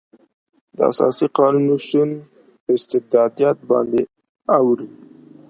د اساسي قانون نشتون په استبدادیت باندې اوړي.